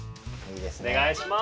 おねがいします。